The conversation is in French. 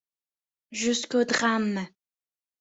Jusqu'au drame...